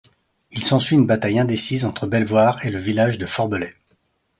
Il s'ensuit une bataille indécise entre Belvoir et le village de Forbelet.